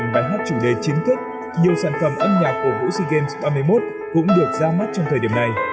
bên cạnh bài hát chủ đề chính thức nhiều sản phẩm âm nhạc của hữu sea games ba mươi một cũng được ra mắt trong thời điểm này